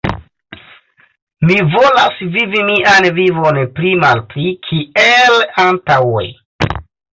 Mi volas vivi mian vivon pli-malpli kiel antaŭe.